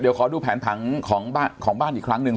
เดี๋ยวขอดูแผนผังของบ้านอีกครั้งหนึ่ง